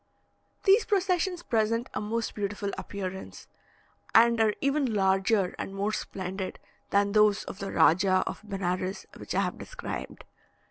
These processions present a most beautiful appearance, and are even larger and more splendid than those of the Rajah of Benares, which I have described.